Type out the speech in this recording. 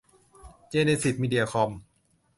เจเนซิส มีเดียคอม